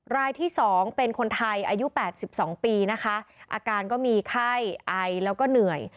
รายที่สองเป็นคนไทยอายุแปดสิบสองปีนะคะอาการก็มีไข้อายแล้วก็เหนื่อย